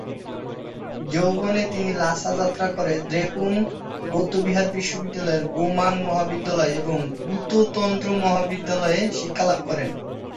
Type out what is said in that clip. যৌবনে তিনি লাসা যাত্রা করে দ্রেপুং বৌদ্ধবিহার বিশ্ববিদ্যালয়ের গোমাং মহাবিদ্যালয়ে এবং গ্যুতো তন্ত্র মহাবিদ্যালয়ে শিক্ষালাভ করেন।